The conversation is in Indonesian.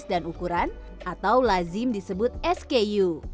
dan ukuran atau lazim disebut sku